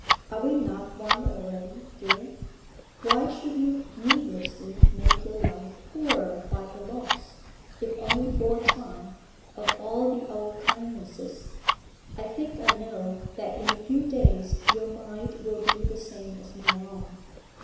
Are we not one already, dear? Why should you needlessly make your life poorer by the loss if only for a time of all the old kindnesses? I think, I know, that in a few days your mind will be the same as my own.